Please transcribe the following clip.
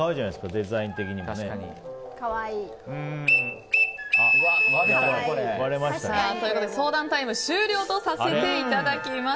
デザイン的にもね。ということで相談タイム終了とさせていただきます。